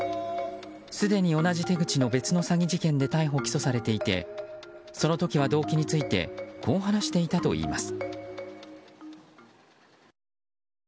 すでに同じ手口の別の詐欺事件で逮捕・起訴されていてその時は、動機についてこう話していたといいます。